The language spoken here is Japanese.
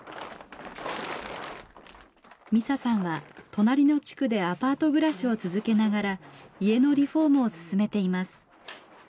美佐さんは隣の地区でアパート暮らしを続けながら家のリフォームを進めています。